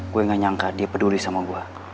gue gak nyangka dia peduli sama gue